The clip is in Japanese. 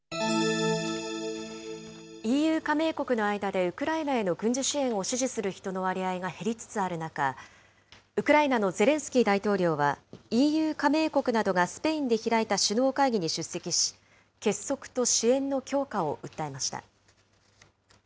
ＥＵ加盟国の間でウクライナへの軍事支援を支持する人の割合が減りつつある中、ウクライナのゼレンスキー大統領はＥＵ加盟国などがスペインで開いた首脳会議に出席し、結束と支援の強化を訴えました。